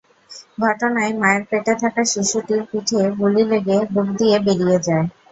ঘটনায় মায়ের পেটে থাকা শিশুটির পিঠে গুলি লেগে বুক দিয়ে বেরিয়ে যায়।